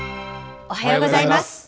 おはようございます。